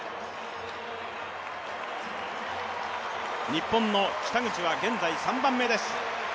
日本の北口は現在３番目です